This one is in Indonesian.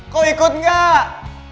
kok ikut gak